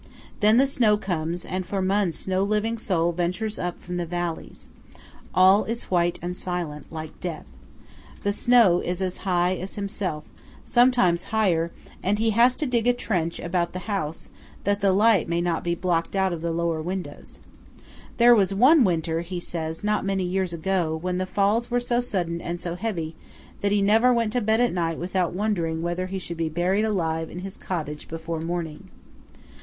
Then the snow comes, and for months no living soul ventures up from the valleys. All is white and silent, like death. The snow is as high as himself–sometimes higher; and he has to dig a trench about the house, that the light may not be blocked out of the lower windows. There was one winter, he says, not many years ago, when the falls were so sudden and so heavy, that he never went to bed at night without wondering whether he should be buried alive in his cottage before morning.